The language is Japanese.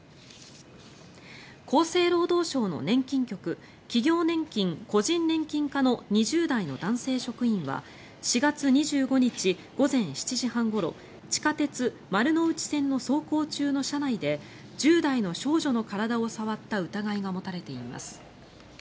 厚生労働省の年金局企業年金・個人年金課の２０代の男性職員は４月２５日午前７時半ごろ地下鉄丸の内線の走行中の車内で１０代の少女の体を触った疑いが持たれています。